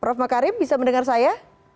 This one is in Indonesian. prof makarim bisa mendengar saya